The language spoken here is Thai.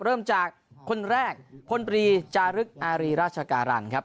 เริ่มจากคนแรกพลตรีจารึกอารีราชการันครับ